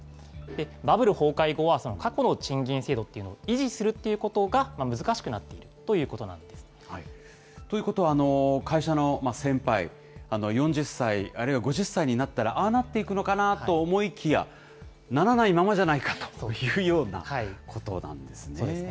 バブル崩壊後は、その過去の賃金制度というのを維持するということが難しくなってということは、会社の先輩、４０歳、あるいは５０歳になったら、ああなっていくのかなと思いきや、ならないままじゃないかというようなことなんですね。